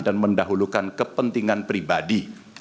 dan mendahulukan kepentingan pribadi